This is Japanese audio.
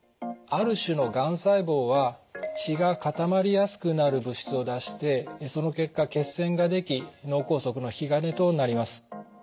ある種のがん細胞は血が固まりやすくなる物質を出してその結果血栓ができ脳梗塞の引き金となります。